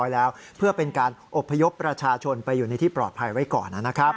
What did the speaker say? แล้วเพื่อเป็นการอบพยพประชาชนไปอยู่ในที่ปลอดภัยไว้ก่อนนะครับ